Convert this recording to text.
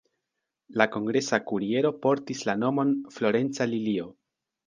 La kongresa kuriero portis la nomon "Florenca Lilio".